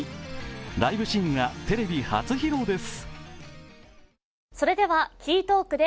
ライブシーンがテレビ初披露です。